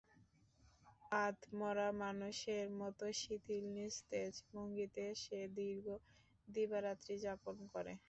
আধমরা মানুষের মতো শিথিল নিস্তেজ ভঙ্গিতে সে দীর্ঘ দিবারাত্রি যাপন করে।